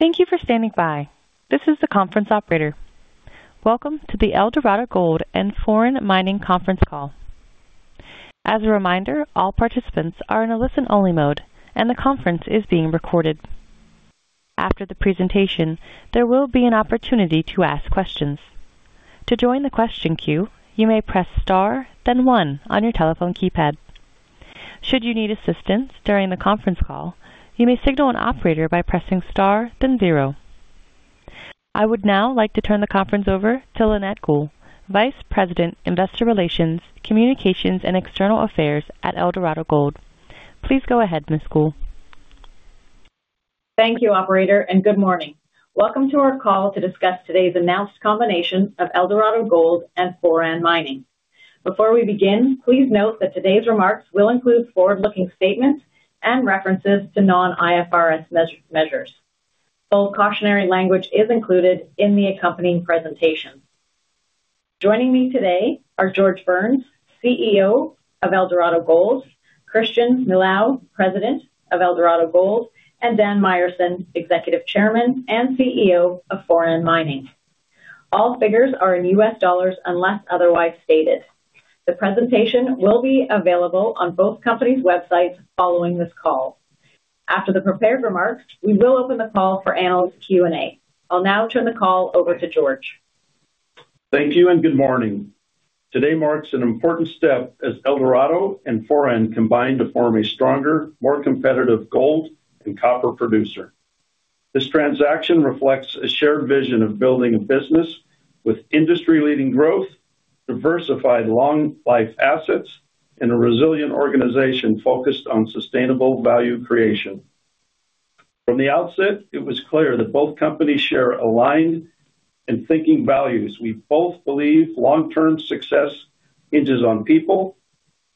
Thank you for standing by. This is the conference operator. Welcome to the Eldorado Gold and Foran Mining Conference call. As a reminder, all participants are in a listen-only mode, and the conference is being recorded. After the presentation, there will be an opportunity to ask questions. To join the question queue, you may press * then 1 on your telephone keypad. Should you need assistance during the conference call, you may signal an operator by pressing * then 0. I would now like to turn the conference over to Lynette Gould, Vice President Investor Relations, Communications and External Affairs at Eldorado Gold. Please go ahead, Ms. Gould. Thank you, Operator, and good morning. Welcome to our call to discuss today's announced combination of Eldorado Gold and Foran Mining. Before we begin, please note that today's remarks will include forward-looking statements and references to non-IFRS measures. Full cautionary language is included in the accompanying presentation. Joining me today are George Burns, CEO of Eldorado Gold, Christian Milau, President of Eldorado Gold, and Dan Myerson, Executive Chairman and CEO of Foran Mining. All figures are in US dollars unless otherwise stated. The presentation will be available on both companies' websites following this call. After the prepared remarks, we will open the call for annual Q&A. I'll now turn the call over to George. Thank you and good morning. Today marks an important step as Eldorado and Foran combine to form a stronger, more competitive gold and copper producer. This transaction reflects a shared vision of building a business with industry-leading growth, diversified long-life assets, and a resilient organization focused on sustainable value creation. From the outset, it was clear that both companies share aligned and thinking values. We both believe long-term success hinges on people,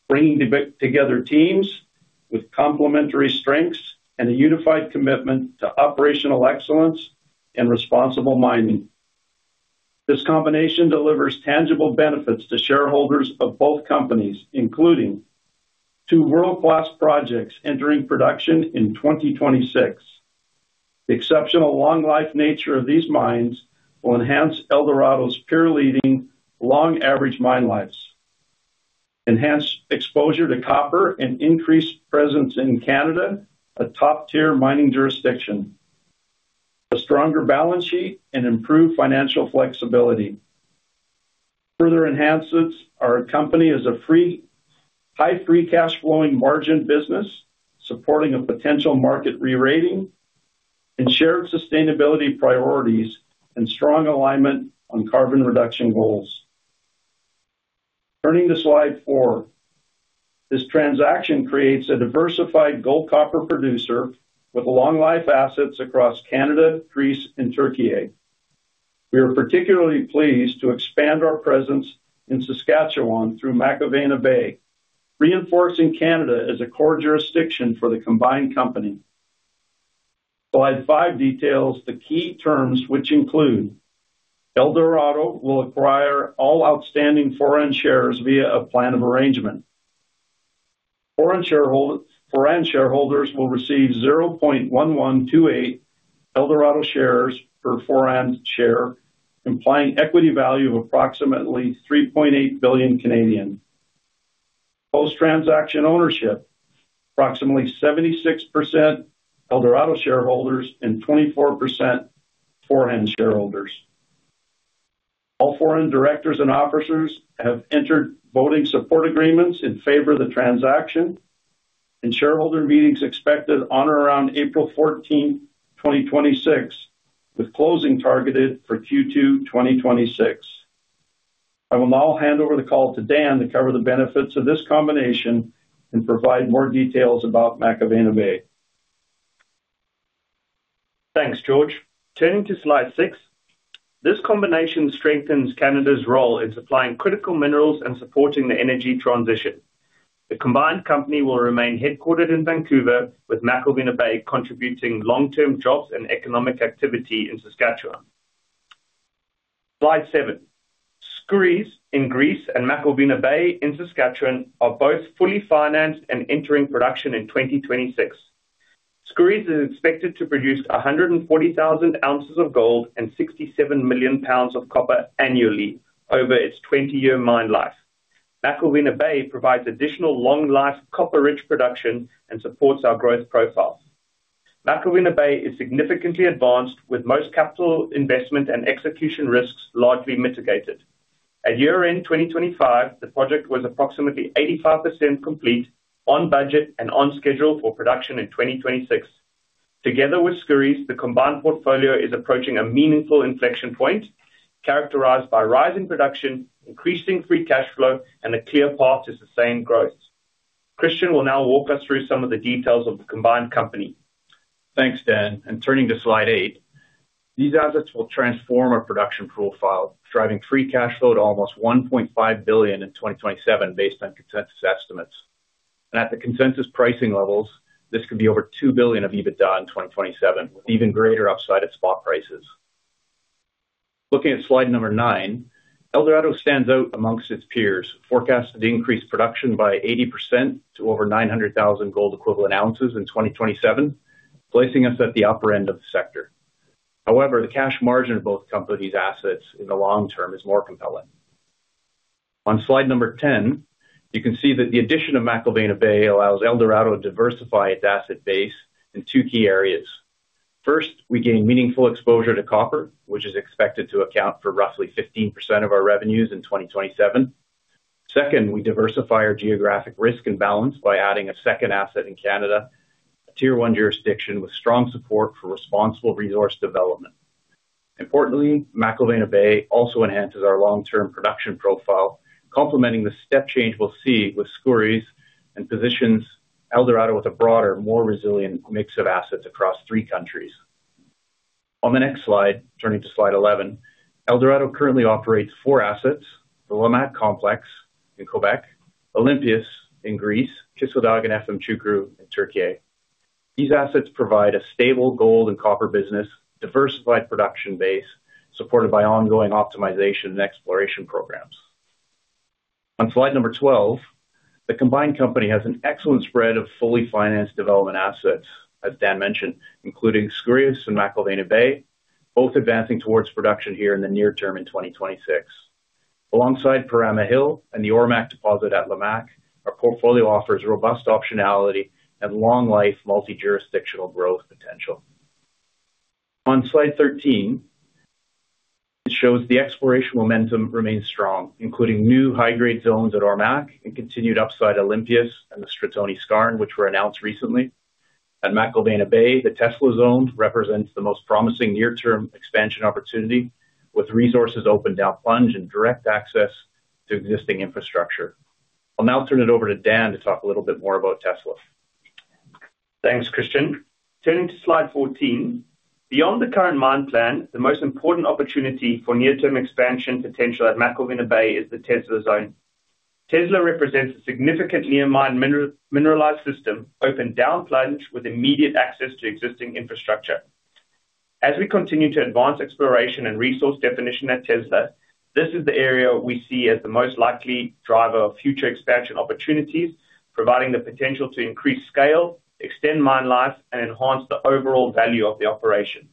bringing together teams with complementary strengths and a unified commitment to operational excellence and responsible mining. This combination delivers tangible benefits to shareholders of both companies, including two world-class projects entering production in 2026. The exceptional long-life nature of these mines will enhance Eldorado's peer-leading long-average mine lives, enhance exposure to copper, and increase presence in Canada, a top-tier mining jurisdiction, a stronger balance sheet, and improved financial flexibility. Further enhances our company as a high free cash-flowing margin business, supporting a potential market rerating, and shared sustainability priorities, and strong alignment on carbon reduction goals. Turning to slide 4, this transaction creates a diversified gold copper producer with long-life assets across Canada, Greece, and Türkiye. We are particularly pleased to expand our presence in Saskatchewan through McIlvenna Bay, reinforcing Canada as a core jurisdiction for the combined company. Slide 5 details the key terms, which include: Eldorado will acquire all outstanding Foran shares via a plan of arrangement. Foran shareholders will receive 0.1128 Eldorado shares per Foran share, implying equity value of approximately 3.8 billion. Post-transaction ownership: approximately 76% Eldorado shareholders and 24% Foran shareholders. All Foran directors and officers have entered voting support agreements in favor of the transaction, and shareholder meetings expected on or around April 14, 2026, with closing targeted for Q2 2026. I will now hand over the call to Dan to cover the benefits of this combination and provide more details about McIlvenna Bay. Thanks, George. Turning to slide 6, this combination strengthens Canada's role in supplying critical minerals and supporting the energy transition. The combined company will remain headquartered in Vancouver, with McIlvenna Bay contributing long-term jobs and economic activity in Saskatchewan. Slide 7, Skouries in Greece and McIlvenna Bay in Saskatchewan are both fully financed and entering production in 2026. Skouries is expected to produce 140,000 ounces of gold and $67 million of copper annually over its 20-year mine life. McIlvenna Bay provides additional long-life copper-rich production and supports our growth profile. McIlvenna Bay is significantly advanced, with most capital investment and execution risks largely mitigated. At year-end 2025, the project was approximately 85% complete, on budget and on schedule for production in 2026. Together with Skouries, the combined portfolio is approaching a meaningful inflection point characterized by rising production, increasing free cash flow, and a clear path to sustained growth. Christian will now walk us through some of the details of the combined company. Thanks, Dan. Turning to slide 8, these assets will transform our production profile, driving free cash flow to almost $1.5 billion in 2027 based on consensus estimates. At the consensus pricing levels, this could be over $2 billion of EBITDA in 2027, with even greater upside at spot prices. Looking at slide 9, Eldorado stands out among its peers, forecasting to increase production by 80% to over 900,000 gold equivalent ounces in 2027, placing us at the upper end of the sector. However, the cash margin of both companies' assets in the long term is more compelling. On slide 10, you can see that the addition of McIlvenna Bay allows Eldorado to diversify its asset base in two key areas. First, we gain meaningful exposure to copper, which is expected to account for roughly 15% of our revenues in 2027. Second, we diversify our geographic risk and balance by adding a second asset in Canada, a tier-one jurisdiction with strong support for responsible resource development. Importantly, McIlvenna Bay also enhances our long-term production profile, complementing the step change we'll see with Skouries and positions Eldorado with a broader, more resilient mix of assets across three countries. On the next slide, turning to slide 11, Eldorado currently operates four assets: the Lamaque Complex in Quebec, Olympias in Greece, Kışladağ, Efemçukuru in Türkiye. These assets provide a stable gold and copper business, diversified production base, supported by ongoing optimization and exploration programs. On slide number 12, the combined company has an excellent spread of fully financed development assets, as Dan mentioned, including Skouries and McIlvenna Bay, both advancing towards production here in the near term in 2026. Alongside Perama Hill and the Ormaque deposit at Lamaque, our portfolio offers robust optionality and long-life multi-jurisdictional growth potential. On slide 13, it shows the exploration momentum remains strong, including new high-grade zones at Ormaque and continued upside Olympias and the Stratoni Skarn, which were announced recently. At McIlvenna Bay, the Tesla Zone represents the most promising near-term expansion opportunity, with resources opened down plunge and direct access to existing infrastructure. I'll now turn it over to Dan to talk a little bit more about Tesla. Thanks, Christian. Turning to slide 14, beyond the current mine plan, the most important opportunity for near-term expansion potential at McIlvenna Bay is the Tesla Zone. Tesla represents a significant near-mine mineralized system opened down plunge with immediate access to existing infrastructure. As we continue to advance exploration and resource definition at Tesla, this is the area we see as the most likely driver of future expansion opportunities, providing the potential to increase scale, extend mine life, and enhance the overall value of the operation.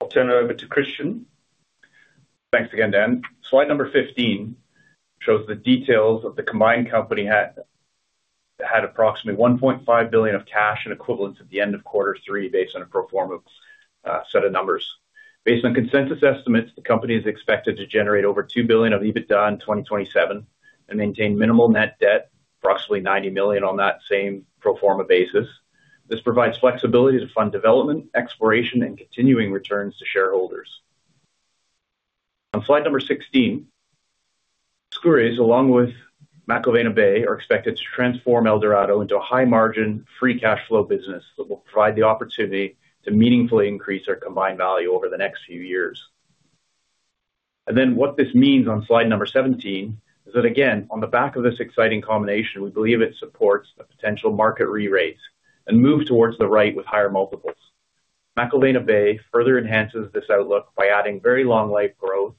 I'll turn it over to Christian. Thanks again, Dan. Slide number 15 shows the details of the combined company. It had approximately $1.5 billion of cash and equivalents at the end of quarter three based on a pro forma set of numbers. Based on consensus estimates, the company is expected to generate over $2 billion of EBITDA in 2027 and maintain minimal net debt, approximately $90 million on that same pro forma basis. This provides flexibility to fund development, exploration, and continuing returns to shareholders. On slide number 16, Skouries, along with McIlvenna Bay, are expected to transform Eldorado into a high-margin, free cash flow business that will provide the opportunity to meaningfully increase our combined value over the next few years. Then what this means on slide 17 is that, again, on the back of this exciting combination, we believe it supports a potential market rerate and move towards the right with higher multiples. McIlvenna Bay further enhances this outlook by adding very long-life growth,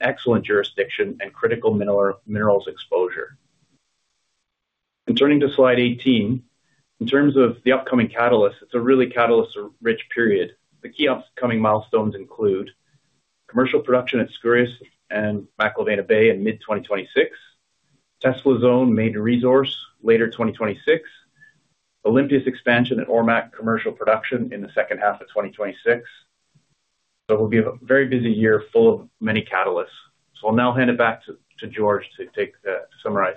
excellent jurisdiction, and critical minerals exposure. Turning to slide 18, in terms of the upcoming catalysts, it's a really catalyst-rich period. The key upcoming milestones include commercial production at Skouries and McIlvenna Bay in mid-2026, Tesla Zone maiden resource later 2026, Olympias expansion and Ormaque commercial production in the second half of 2026. So it will be a very busy year full of many catalysts. I'll now hand it back to George to summarize.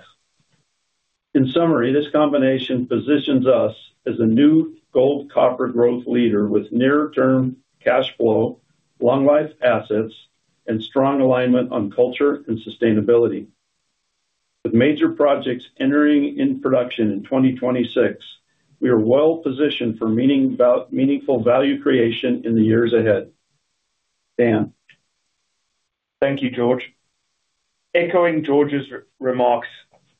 In summary, this combination positions us as a new gold copper growth leader with near-term cash flow, long-life assets, and strong alignment on culture and sustainability. With major projects entering production in 2026, we are well positioned for meaningful value creation in the years ahead. Dan. Thank you, George. Echoing George's remarks,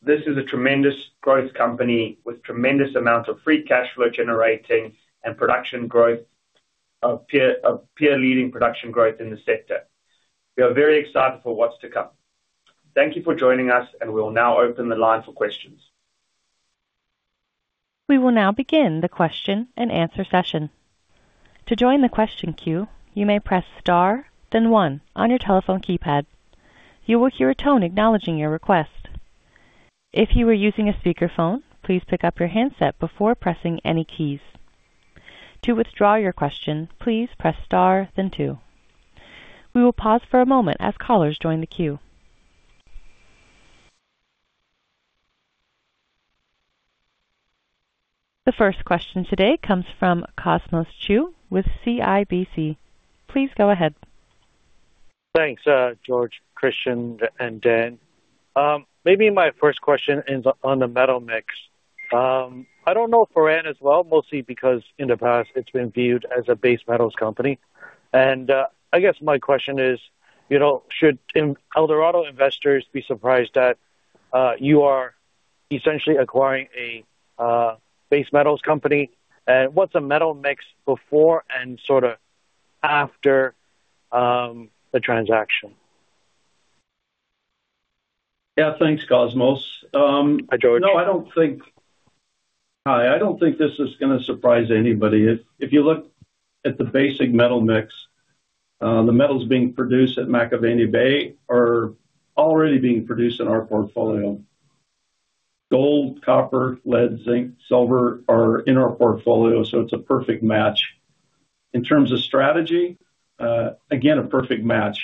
this is a tremendous growth company with tremendous amounts of free cash flow generating and peer-leading production growth in the sector. We are very excited for what's to come. Thank you for joining us, and we will now open the line for questions. We will now begin the question-and-answer session. To join the question queue, you may press *, then 1 on your telephone keypad. You will hear a tone acknowledging your request. If you are using a speakerphone, please pick up your handset before pressing any keys. To withdraw your question, please press *, then 2. We will pause for a moment as callers join the queue. The first question today comes from Cosmos Chiu with CIBC. Please go ahead. Thanks, George, Christian, and Dan. Maybe my first question is on the metal mix. I don't know Foran as well, mostly because in the past, it's been viewed as a base metals company. And I guess my question is, should Eldorado investors be surprised that you are essentially acquiring a base metals company? And what's the metal mix before and sort of after the transaction? Yeah, thanks, Cosmos. Hi, George. No, I don't think this is going to surprise anybody. If you look at the basic metal mix, the metals being produced at McIlvenna Bay are already being produced in our portfolio. Gold, copper, lead, zinc, silver are in our portfolio, so it's a perfect match. In terms of strategy, again, a perfect match.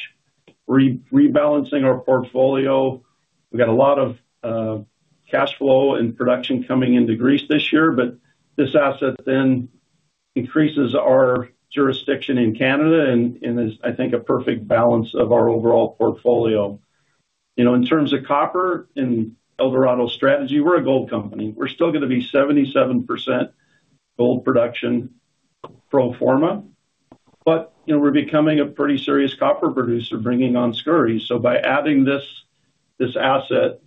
Rebalancing our portfolio, we've got a lot of cash flow and production coming into Greece this year, but this asset then increases our jurisdiction in Canada and is, I think, a perfect balance of our overall portfolio. In terms of copper and Eldorado strategy, we're a gold company. We're still going to be 77% gold production pro forma, but we're becoming a pretty serious copper producer, bringing on Skouries. So by adding this asset,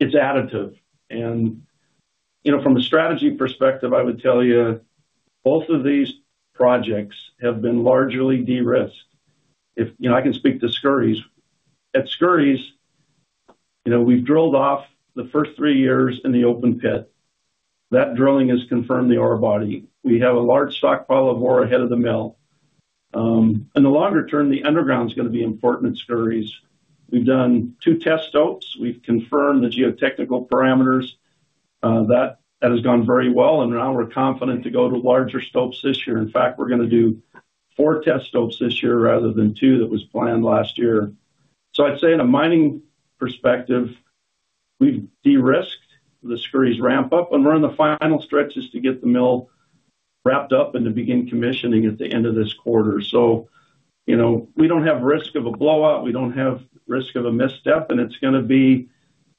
it's additive. From a strategy perspective, I would tell you, both of these projects have been largely de-risked. I can speak to Skouries. At Skouries, we've drilled off the first three years in the open pit. That drilling has confirmed the ore body. We have a large stockpile of ore ahead of the mill. In the longer term, the underground is going to be important at Skouries. We've done two test stopes. We've confirmed the geotechnical parameters. That has gone very well, and now we're confident to go to larger stopes this year. In fact, we're going to do four test stopes this year rather than two that was planned last year. So I'd say, in a mining perspective, we've de-risked the Skouries ramp-up, and we're in the final stretches to get the mill wrapped up and to begin commissioning at the end of this quarter. So, we don't have risk of a blowout. We don't have risk of a misstep, and it's going to be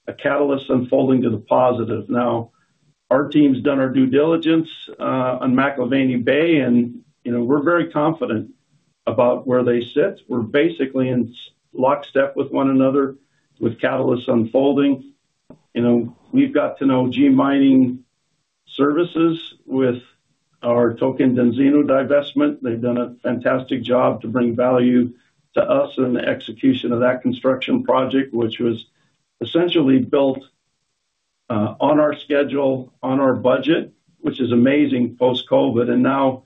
a catalyst unfolding to the positive. Now, our team's done our due diligence on McIlvenna Bay, and we're very confident about where they sit. We're basically in lockstep with one another with catalysts unfolding. We've got to know G Mining Services with our Tocantinzinho divestment. They've done a fantastic job to bring value to us and the execution of that construction project, which was essentially built on our schedule, on our budget, which is amazing post-COVID. And now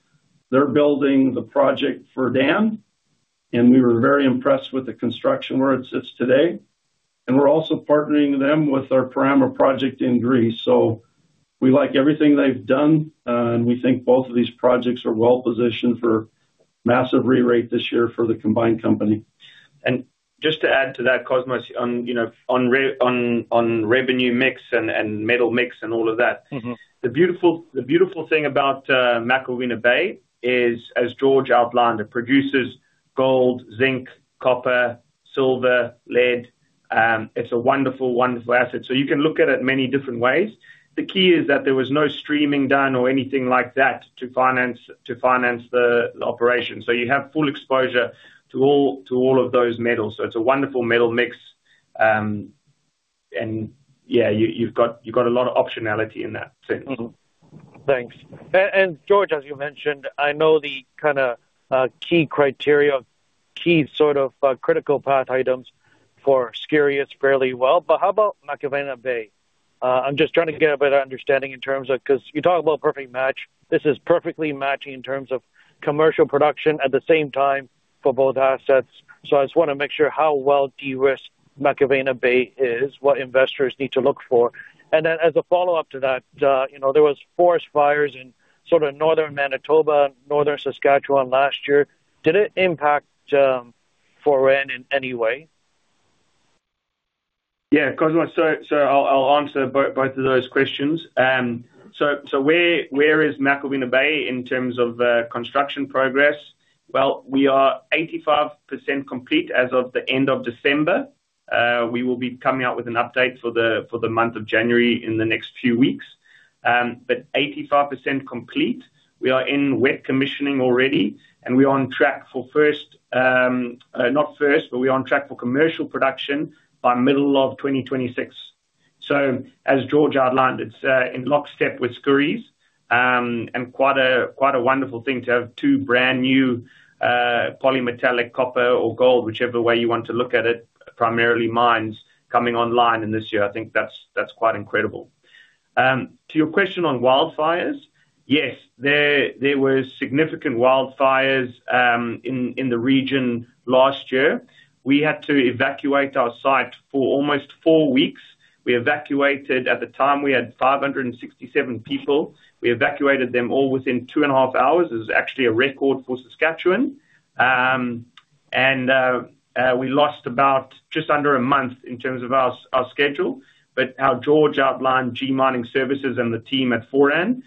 they're building the project for Dan, and we were very impressed with the construction where it sits today. And we're also partnering them with our Perama project in Greece. So, we like everything they've done, and we think both of these projects are well positioned for massive rerate this year for the combined company. And just to add to that, Cosmos, on revenue mix and metal mix and all of that, the beautiful thing about McIlvenna Bay is, as George outlined, it produces gold, zinc, copper, silver, lead. It's a wonderful, wonderful asset. So you can look at it many different ways. The key is that there was no streaming done or anything like that to finance the operation. So, you have full exposure to all of those metals. So, it's a wonderful metal mix. And yeah, you've got a lot of optionality in that sense. Thanks. And George, as you mentioned, I know the kind of key criteria, key sort of critical path items for Skouries fairly well. But how about McIlvenna Bay? I'm just trying to get a better understanding in terms of because you talk about perfect match. This is perfectly matching in terms of commercial production at the same time for both assets. So, I just want to make sure how well de-risked McIlvenna Bay is, what investors need to look for. And then as a follow-up to that, there was forest fires in sort of northern Manitoba, northern Saskatchewan last year. Did it impact Foran in any way? Yeah, Cosmos, so, I'll answer both of those questions. So, where is McIlvenna Bay in terms of construction progress? Well, we are 85% complete as of the end of December. We will be coming out with an update for the month of January in the next few weeks. But 85% complete. We are in wet commissioning already, and we're on track for first not first, but we're on track for commercial production by middle of 2026. So, as George outlined, it's in lockstep with Skouries and quite a wonderful thing to have two brand new polymetallic copper or gold, whichever way you want to look at it, primarily mines, coming online in this year. I think that's quite incredible. To your question on wildfires, yes, there were significant wildfires in the region last year. We had to evacuate our site for almost four weeks. We evacuated; at the time, we had 567 people. We evacuated them all within 2.5 hours. It was actually a record for Saskatchewan. We lost about just under a month in terms of our schedule. But as George outlined, G Mining Services and the team at Foran,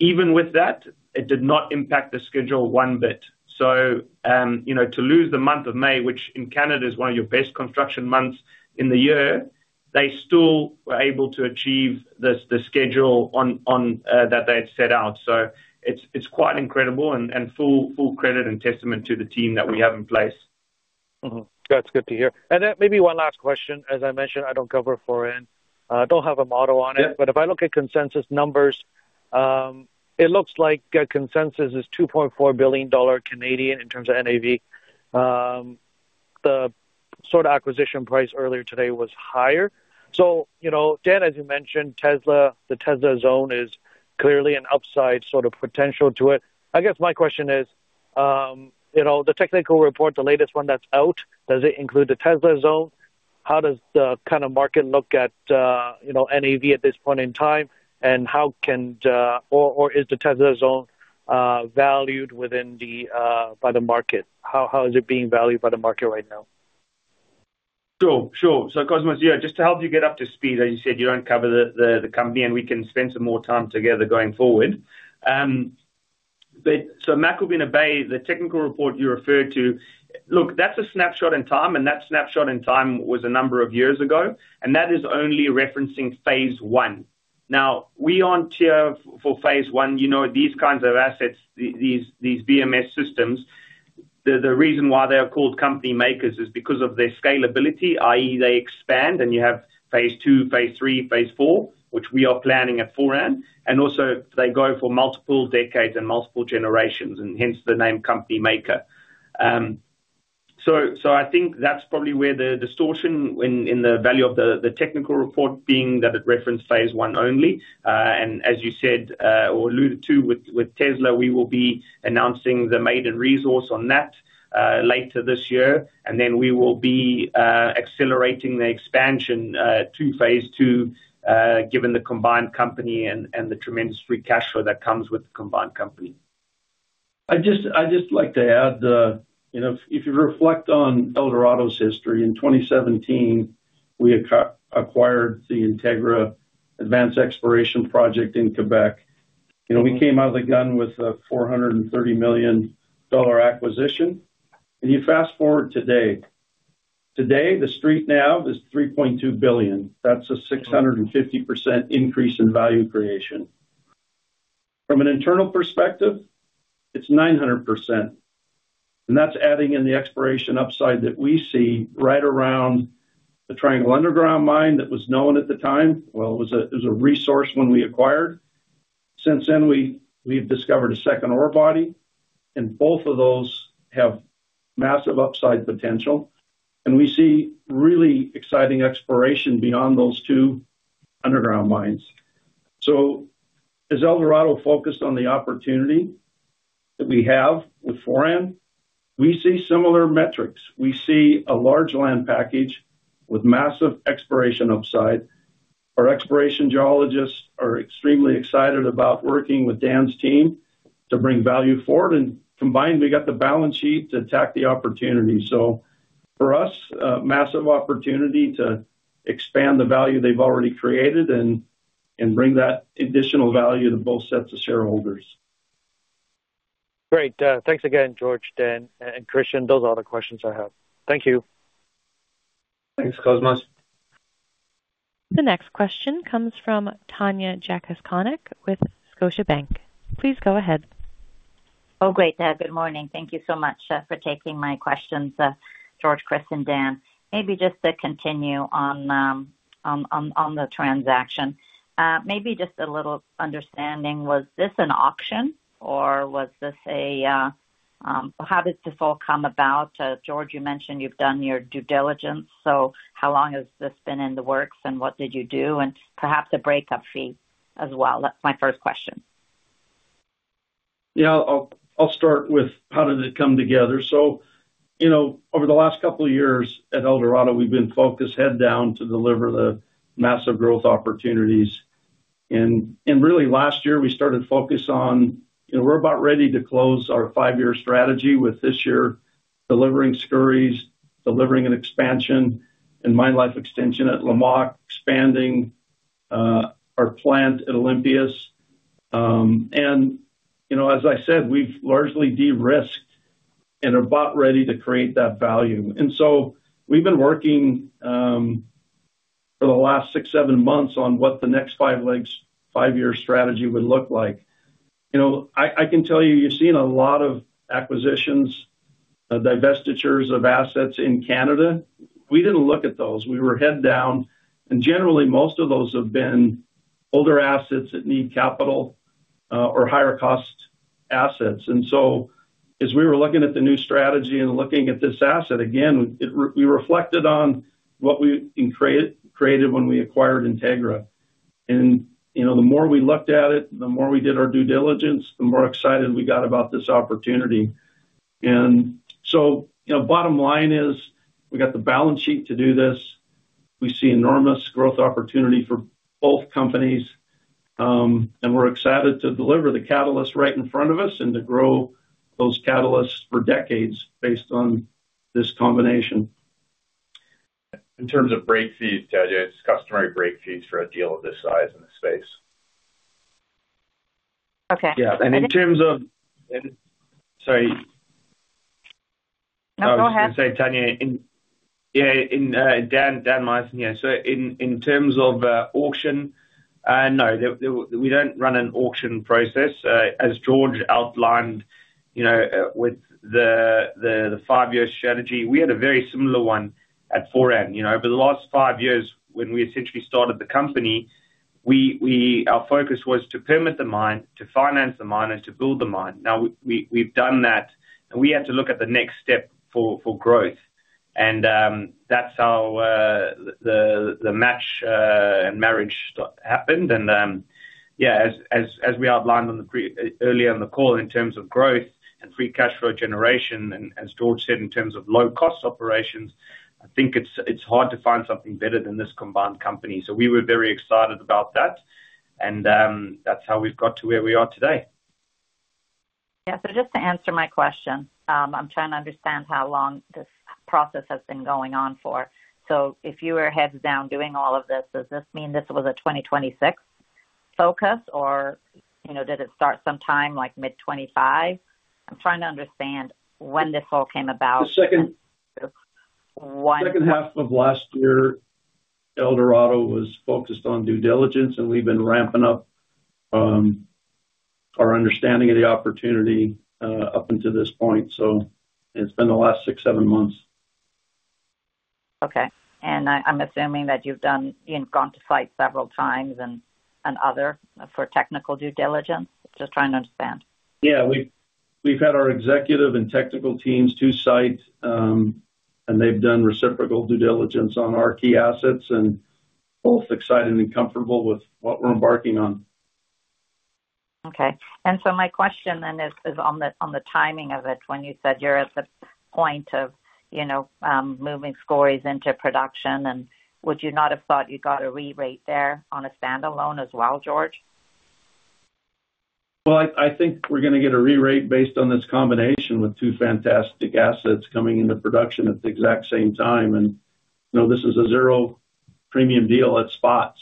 even with that, it did not impact the schedule one bit. So, to lose the month of May, which in Canada is one of your best construction months in the year, they still were able to achieve the schedule that they had set out. So it's quite incredible and full credit and testament to the team that we have in place. That's good to hear. Then maybe one last question. As I mentioned, I don't cover Foran. I don't have a model on it. But if I look at consensus numbers, it looks like consensus is 2.4 billion Canadian dollars in terms of NAV. The sort of acquisition price earlier today was higher. So Dan, as you mentioned, Tesla, the Tesla Zone is clearly an upside sort of potential to it. I guess my question is, the technical report, the latest one that's out, does it include the Tesla Zone? How does the kind of market look at NAV at this point in time, and how can or is the Tesla Zone valued within the by the market? How is it being valued by the market right now? Sure, sure. So Cosmos, yeah, just to help you get up to speed, as you said, you don't cover the company, and we can spend some more time together going forward. So McIlvenna Bay, the technical report you referred to, look, that's a snapshot in time, and that snapshot in time was a number of years ago, and that is only referencing phase one. Now, we're on track for phase one, these kinds of assets, these VMS systems, the reason why they are called company makers is because of their scalability, i.e., they expand, and you have phase two, phase three, phase four, which we are planning at Foran. And also, they go for multiple decades and multiple generations, and hence the name company maker. So I think that's probably where the distortion in the value of the technical report being that it referenced phase one only. As you said or alluded to with Tesla, we will be announcing the maiden resource on that later this year. Then we will be accelerating the expansion to phase two given the combined company and the tremendous free cash flow that comes with the combined company. I'd just like to add, if you reflect on Eldorado's history, in 2017, we acquired the Integra Advanced Exploration Project in Quebec. We came out of the gun with a $430 million acquisition. You fast-forward today. Today, the street now is $3.2 billion. That's a 650% increase in value creation. From an internal perspective, it's 900%. And that's adding in the exploration upside that we see right around the Triangle Underground Mine that was known at the time. Well, it was a resource when we acquired. Since then, we've discovered a second ore body. And both of those have massive upside potential. And we see really exciting exploration beyond those two underground mines. So as Eldorado focused on the opportunity that we have with Foran, we see similar metrics. We see a large land package with massive exploration upside. Our exploration geologists are extremely excited about working with Dan's team to bring value forward. Combined, we got the balance sheet to attack the opportunity. For us, massive opportunity to expand the value they've already created and bring that additional value to both sets of shareholders. Great. Thanks again, George, Dan, and Christian. Those are all the questions I have. Thank you. Thanks, Cosmos. The next question comes from Tanya Jakusconek with Scotiabank. Please go ahead. Oh, great, Dan. Good morning. Thank you so much for taking my questions, George, Chris, and Dan. Maybe just to continue on the transaction. Maybe just a little understanding, was this an auction, or was this a how did this all come about? George, you mentioned you've done your due diligence. So how long has this been in the works, and what did you do? And perhaps a breakup fee as well. That's my first question. Yeah, I'll start with how did it come together. So, over the last couple of years at Eldorado, we've been focused head down to deliver the massive growth opportunities. And really, last year, we started focus on we're about ready to close our five-year strategy with this year delivering Skouries, delivering an expansion and mine life extension at Lamaque, expanding our plant at Olympias. And as I said, we've largely de-risked and are about ready to create that value. And so, we've been working for the last six, seven months on what the next five-year strategy would look like. I can tell you, you've seen a lot of acquisitions, divestitures of assets in Canada. We didn't look at those. We were head down. And generally, most of those have been older assets that need capital or higher-cost assets. As we were looking at the new strategy and looking at this asset, again, we reflected on what we created when we acquired Integra. The more we looked at it, the more we did our due diligence, the more excited we got about this opportunity. So, bottom line is, we got the balance sheet to do this. We see enormous growth opportunity for both companies. We're excited to deliver the catalyst right in front of us and to grow those catalysts for decades based on this combination. In terms of break fees, Tanya, it's customary break fees for a deal of this size in the space. Okay. Yeah. In terms of sorry. No, go ahead. I was going to say, Tanya. Yeah, Dan Myerson, yeah. So, in terms of auction, no, we don't run an auction process. As George outlined with the five-year strategy, we had a very similar one at Foran. Over the last five years, when we essentially started the company, our focus was to permit the mine, to finance the mine, and to build the mine. Now, we've done that, and we had to look at the next step for growth. And that's how the match and marriage happened. And yeah, as we outlined earlier on the call in terms of growth and free cash flow generation, as George said, in terms of low-cost operations, I think it's hard to find something better than this combined company. So, we were very excited about that. And that's how we've got to where we are today. Yeah. So, just to answer my question, I'm trying to understand how long this process has been going on for. So, if you were heads down doing all of this, does this mean this was a 2026 focus, or did it start sometime like mid-2025? I'm trying to understand when this all came about. The second half of last year, Eldorado was focused on due diligence, and we've been ramping up our understanding of the opportunity up until this point. It's been the last 6, 7 months. Okay. I'm assuming that you've gone to sites several times and others for technical due diligence. Just trying to understand. Yeah. We've had our executive and technical teams to site, and they've done reciprocal due diligence on our key assets and both excited and comfortable with what we're embarking on. Okay. And so, my question then is on the timing of it. When you said you're at the point of moving Skouries into production, would you not have thought you got a rerate there on a standalone as well, George? Well, I think we're going to get a rerate based on this combination with two fantastic assets coming into production at the exact same time. This is a zero premium deal at spot.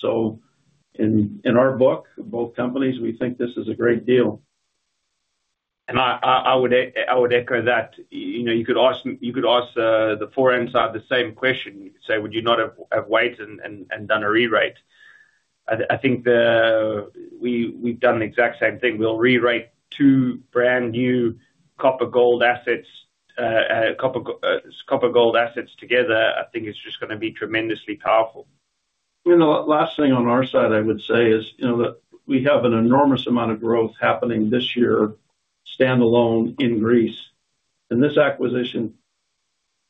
In our book, both companies, we think this is a great deal. I would echo that. You could ask the Foran side the same question. You could say, "Would you not have waited and done a rerate?" I think we've done the exact same thing. We'll rerate two brand new copper-gold assets. Copper-gold assets together, I think, is just going to be tremendously powerful. Last thing on our side, I would say, is that we have an enormous amount of growth happening this year standalone in Greece. This acquisition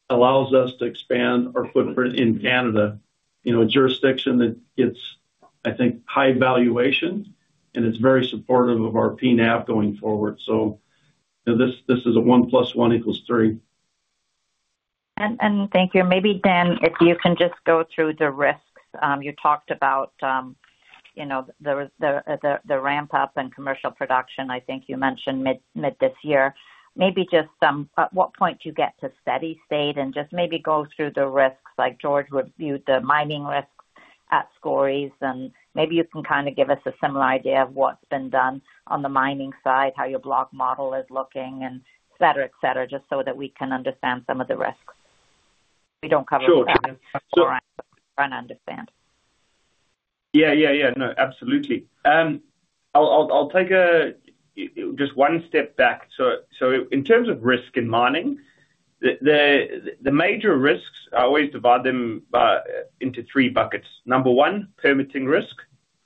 allows us to expand our footprint in Canada, a jurisdiction that gets, I think, high valuation, and it's very supportive of our PNAV going forward. This is a one plus one equals three. Thank you. Maybe, Dan, if you can just go through the risks. You talked about the ramp-up and commercial production. I think you mentioned mid this year. Maybe just at what point do you get to steady state and just maybe go through the risks? George reviewed the mining risks at Skouries, and maybe you can kind of give us a similar idea of what's been done on the mining side, how your block model is looking, etc., etc., just so that we can understand some of the risks. We don't cover all that. Sure. Yeah. Sure. Foran, but we're trying to understand. Yeah, yeah, yeah. No, absolutely. I'll take just one step back. So, in terms of risk in mining, the major risks, I always divide them into three buckets. Number one, permitting risk.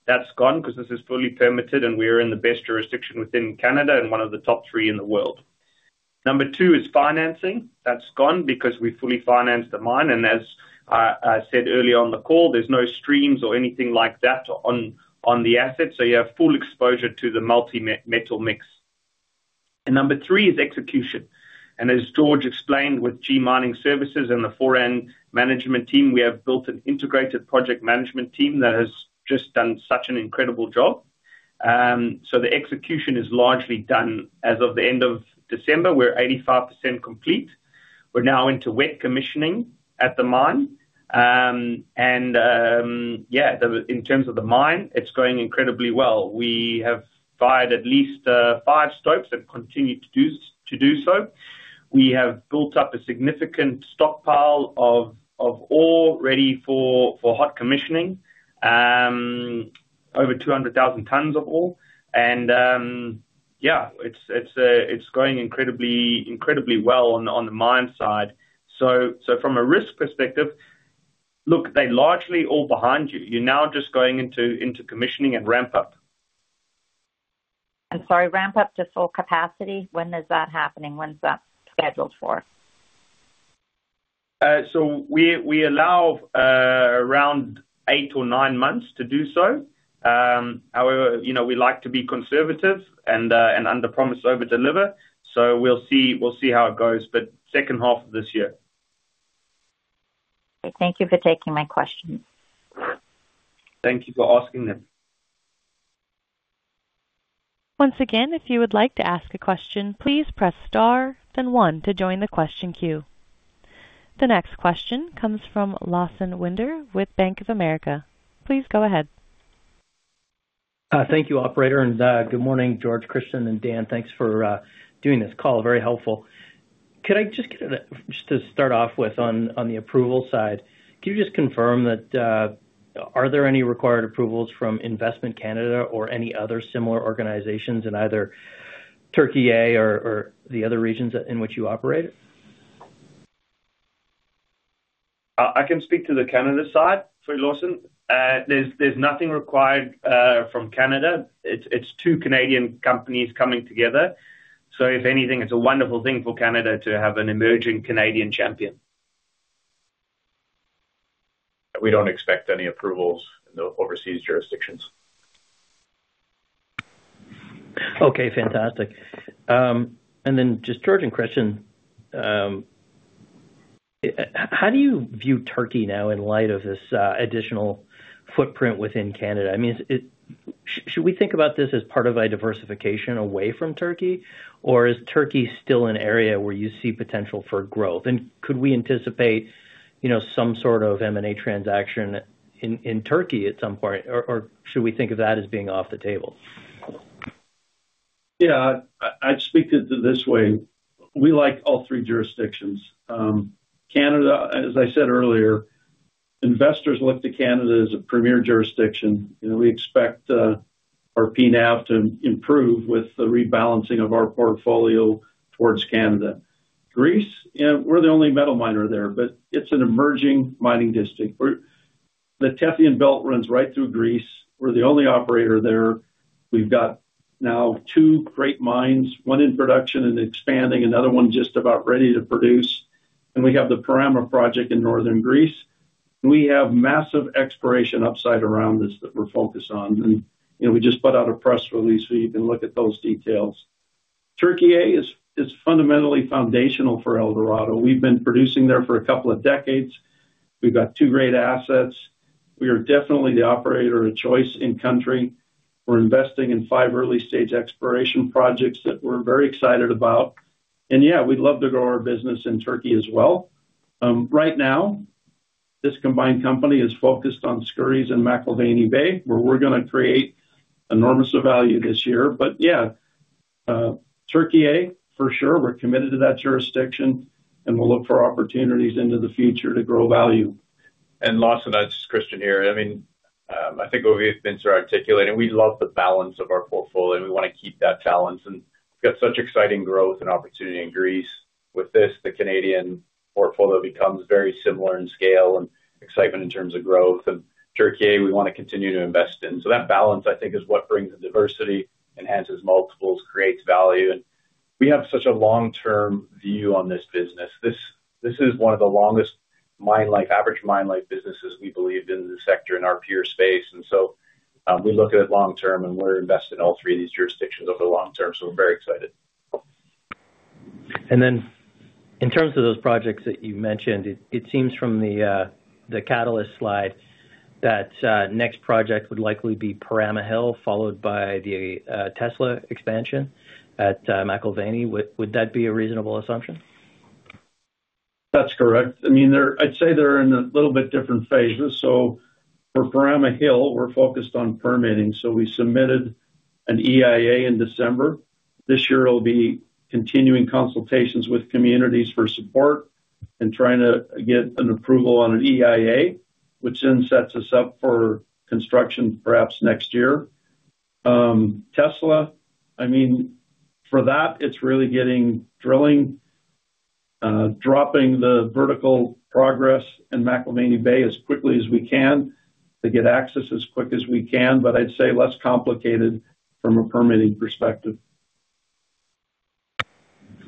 That's gone because this is fully permitted, and we are in the best jurisdiction within Canada and one of the top three in the world. Number two is financing. That's gone because we fully finance the mine. And as I said earlier on the call, there's no streams or anything like that on the asset. So, you have full exposure to the multi-metal mix. And number three is execution. And as George explained with G Mining Services and the Foran management team, we have built an integrated project management team that has just done such an incredible job. So, the execution is largely done. As of the end of December, we're 85% complete. We're now into wet commissioning at the mine. Yeah, in terms of the mine, it's going incredibly well. We have fired at least five stopes and continued to do so. We have built up a significant stockpile of ore ready for hot commissioning, over 200,000 tons of ore. Yeah, it's going incredibly well on the mine side. From a risk perspective, look, they're largely all behind you. You're now just going into commissioning and ramp-up. I'm sorry, ramp-up to full capacity. When is that happening? When's that scheduled for? So, we allow around 8 or 9 months to do so. However, we like to be conservative and under promise over deliver. So, we'll see how it goes, but second half of this year. Thank you for taking my question. Thank you for asking them. Once again, if you would like to ask a question, please press star, then one, to join the question queue. The next question comes from Lawson Winder with Bank of America. Please go ahead. Thank you, operator. Good morning, George, Christian, and Dan. Thanks for doing this call. Very helpful. Could I just get to start off with, on the approval side, can you just confirm that are there any required approvals from Investment Canada or any other similar organizations in either Turkey or the other regions in which you operate? I can speak to the Canada side for Lawson. There's nothing required from Canada. It's two Canadian companies coming together. So, if anything, it's a wonderful thing for Canada to have an emerging Canadian champion. We don't expect any approvals in the overseas jurisdictions. Okay. Fantastic. And then just George and Christian, how do you view Turkey now in light of this additional footprint within Canada? I mean, should we think about this as part of a diversification away from Turkey, or is Turkey still an area where you see potential for growth? And could we anticipate some sort of M&A transaction in Turkey at some point, or should we think of that as being off the table? Yeah. I'd speak to it this way. We like all three jurisdictions. Canada, as I said earlier, investors look to Canada as a premier jurisdiction. We expect our PNAV to improve with the rebalancing of our portfolio towards Canada. Greece, we're the only metal miner there, but it's an emerging mining district. The Tethyan Belt runs right through Greece. We're the only operator there. We've got now two great mines, one in production and expanding, another one just about ready to produce. And we have the Perama project in northern Greece. We have massive exploration upside around this that we're focused on. And we just put out a press release, so you can look at those details. Türkiye is fundamentally foundational for Eldorado. We've been producing there for a couple of decades. We've got two great assets. We are definitely the operator of choice in country. We're investing in five early-stage exploration projects that we're very excited about. Yeah, we'd love to grow our business in Türkiye as well. Right now, this combined company is focused on Skouries and McIlvenna Bay, where we're going to create enormous value this year. But yeah, Türkiye, for sure, we're committed to that jurisdiction, and we'll look for opportunities into the future to grow value. And Lawson, that's Christian here. I mean, I think what we've been sort of articulating, we love the balance of our portfolio, and we want to keep that balance. And we've got such exciting growth and opportunity in Greece. With this, the Canadian portfolio becomes very similar in scale and excitement in terms of growth. And Turkey, we want to continue to invest in. So that balance, I think, is what brings the diversity, enhances multiples, creates value. And we have such a long-term view on this business. This is one of the longest mine life, average mine life businesses we believe in the sector in our peer space. And so, we look at it long-term, and we're invested in all three of these jurisdictions over the long term. So, we're very excited. And then in terms of those projects that you mentioned, it seems from the catalyst slide that next project would likely be Perama Hill, followed by the Tesla expansion at McIlvenna Bay. Would that be a reasonable assumption? That's correct. I mean, I'd say they're in a little bit different phase. So, for Perama Hill, we're focused on permitting. So, we submitted an EIA in December. This year, it'll be continuing consultations with communities for support and trying to get an approval on an EIA, which then sets us up for construction perhaps next year. Tesla, I mean, for that, its really getting to drill, dropping the vertical progress in McIlvenna Bay as quickly as we can to get access as quick as we can, but I'd say less complicated from a permitting perspective.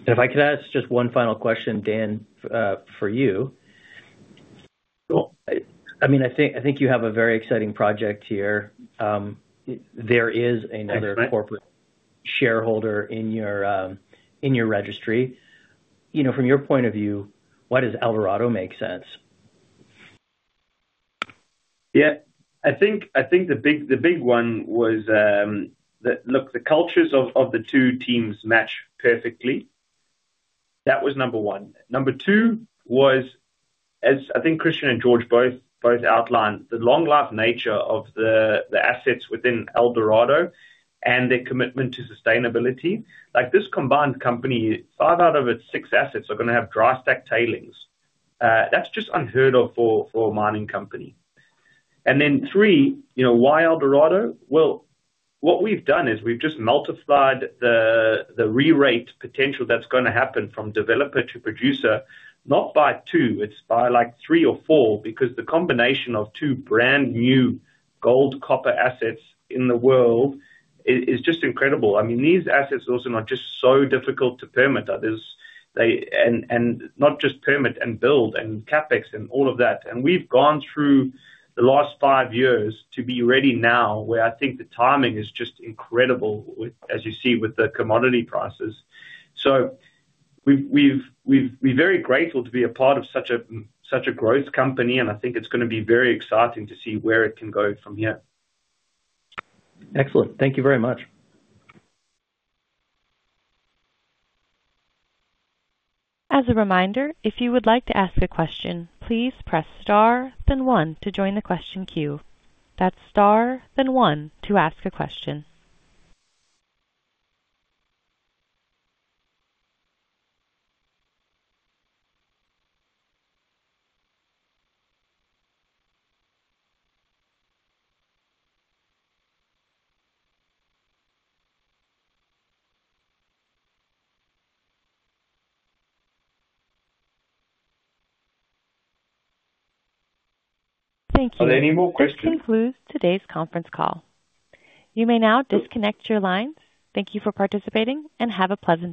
If I could ask just one final question, Dan, for you. I mean, I think you have a very exciting project here. There is another corporate shareholder in your registry. From your point of view, why does Eldorado make sense? Yeah. I think the big one was that, look, the cultures of the two teams match perfectly. That was number one. Number two was, as I think Christian and George both outlined, the long-life nature of the assets within Eldorado and their commitment to sustainability. This combined company, five out of its six assets are going to have dry stack tailings. That's just unheard of for a mining company. And then three, why Eldorado? Well, what we've done is we've just multiplied the rerate potential that's going to happen from developer to producer, not by two. It's by like three or four because the combination of two brand new gold copper assets in the world is just incredible. I mean, these assets are also not just so difficult to permit. And not just permit and build and CapEx and all of that. We've gone through the last five years to be ready now where I think the timing is just incredible, as you see, with the commodity prices. We're very grateful to be a part of such a growth company, and I think it's going to be very exciting to see where it can go from here. Excellent. Thank you very much. As a reminder, if you would like to ask a question, please press star, then one, to join the question queue. That's star, then one, to ask a question. Thank you. Are there any more questions? This concludes today's conference call. You may now disconnect your lines. Thank you for participating, and have a pleasant day.